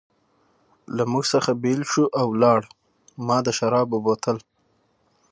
له موږ څخه بېل شو او ولاړ، ما د شرابو بوتل.